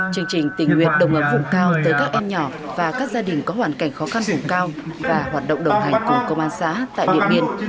chương trình tình nguyện đồng ấm vùng cao tới các em nhỏ và các gia đình có hoàn cảnh khó khăn vùng cao và hoạt động đồng hành cùng công an xã tại điện biên